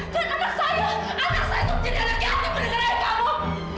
dan anak saya anak saya itu menjadi anak keat yang bergerak dengan kamu